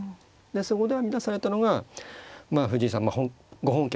そこで編み出されたのが藤井さんご本家